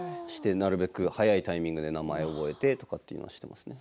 なるべく早いタイミングで名前を覚えてということをしていました。